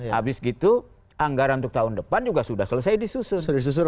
habis gitu anggaran untuk tahun depan juga sudah selesai disusun